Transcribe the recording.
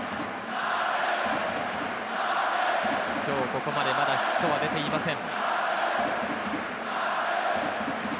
今日ここまで、まだヒットは出ていません。